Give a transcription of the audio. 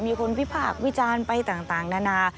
มีคนวิพากษ์วิจารณ์ไปต่างนานา